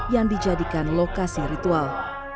yang dijadikan lokasi ritual